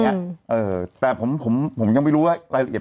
เท่าไหร่ก็สอนพ่อท่อนเลือกอีก